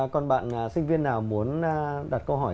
còn bạn sinh viên nào muốn đặt câu hỏi